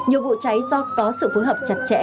nhiều vụ cháy do có sự phối hợp chặt chẽ